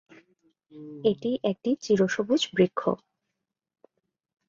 এটি একটি চির সবুজ বৃক্ষ।